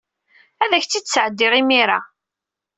Ad ak-tt-id-sɛeddiɣ imir-a.